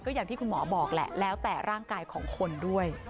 อย่างที่คุณหมอบอกแหละแล้วแต่ร่างกายของคนด้วย